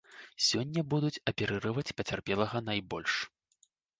Сёння будуць аперыраваць пацярпелага найбольш.